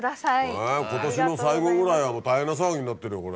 えぇ今年の最後ぐらいはもう大変な騒ぎになってるよこれ。